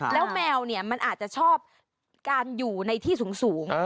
แล้วแมวเนี่ยมันอาจจะชอบการอยู่ในที่สูง